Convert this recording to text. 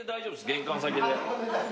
玄関先で。